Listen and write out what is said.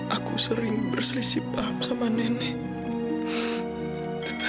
aku sering berselisih paham sama nenek